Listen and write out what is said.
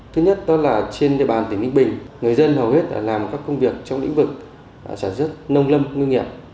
thứ nhất đó là trên địa bàn tỉnh ninh bình người dân hầu hết làm các công việc trong lĩnh vực sản xuất nông lâm ngư nghiệp